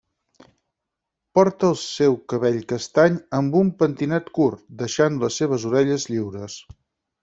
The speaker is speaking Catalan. Porta el seu cabell castany amb un pentinat curt, deixant les seves orelles lliures.